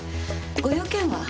ご用件は？